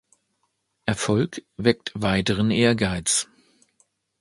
Erfolg weckt weiteren Ehrgeiz.